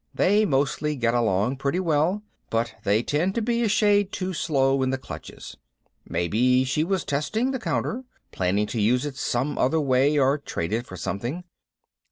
They mostly get along pretty well, but they tend to be a shade too slow in the clutches. Maybe she was testing the counter, planning to use it some other way or trade it for something.